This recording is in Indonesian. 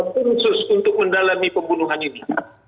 khusus untuk mendalami pembunuhan ini